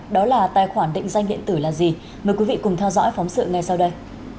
đó là tài khoản định danh điện tử là gì mời quý vị cùng theo dõi phóng sự ngay sau đây